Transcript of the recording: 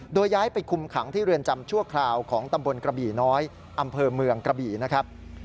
โดยย้ายไปคุมขังที่เรือนจำชั่วคราวของตำบลกระบี่น้อยอำเภอเมืองกระบี่นะครับ